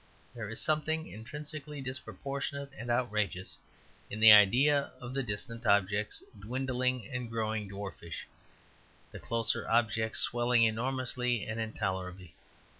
There is something intrinsically disproportionate and outrageous in the idea of the distant objects dwindling and growing dwarfish, the closer objects swelling enormous and intolerable.